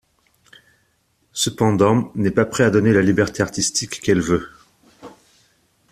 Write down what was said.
Cependant, n'est pas prêt à donner la liberté artistique qu'elle veut.